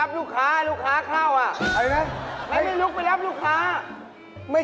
มากันครบเลย